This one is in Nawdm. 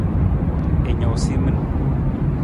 I noosa i min.